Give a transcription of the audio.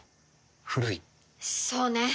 そうね。